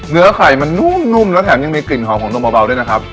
เนื้อไข่มันนุ่มแล้วแถมยังมีกลิ่นหอมของนมเบาด้วยนะครับ